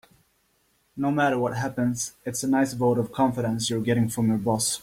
No matter what happens, it's a nice vote of confidence you're getting from your boss.